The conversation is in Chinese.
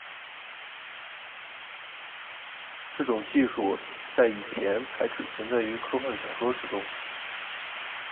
这种技术在以前还只存在于科幻小说之中。